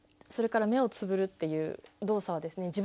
それから目をつぶるっていう動作はですね